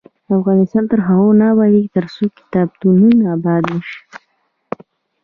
افغانستان تر هغو نه ابادیږي، ترڅو کتابتونونه اباد نشي.